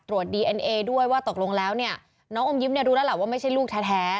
ดีเอ็นเอด้วยว่าตกลงแล้วเนี่ยน้องอมยิ้มเนี่ยรู้แล้วล่ะว่าไม่ใช่ลูกแท้